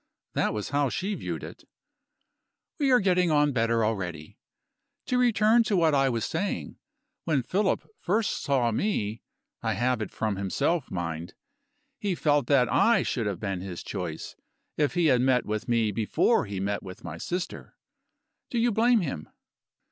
That was how she viewed it. "We are getting on better already. To return to what I was saying. When Philip first saw me I have it from himself, mind he felt that I should have been his choice, if he had met with me before he met with my sister. Do you blame him?"